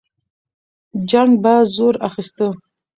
جنګ به زور اخیسته.